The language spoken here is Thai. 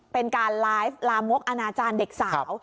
เป็นการไลฟ์ลามกอนาจารย์เด็กสาว